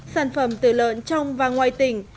sản phẩm từ lợn trong và ngoài tỉnh